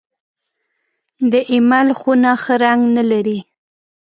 د اېمل خونه ښه رنګ نه لري .